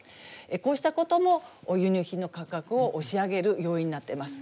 こうしたことも輸入品の価格を押し上げる要因になってます。